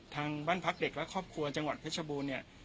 ทางบ้านพักเด็กและครอบครัวจังหวัดเพชรบูรณ์เนี่ย